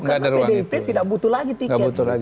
karena pdip tidak butuh lagi tiket